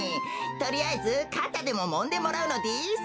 とりあえずかたでももんでもらうのです。